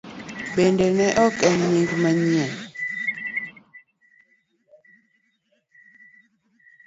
Bende ne ok en nying manyien.